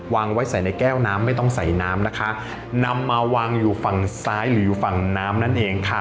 วางไว้ใส่ในแก้วน้ำไม่ต้องใส่น้ำนะคะนำมาวางอยู่ฝั่งซ้ายหรือฝั่งน้ำนั่นเองค่ะ